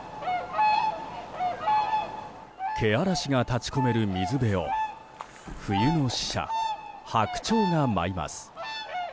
けあらしが立ち込める水辺を冬の使者ハクチョウが舞います。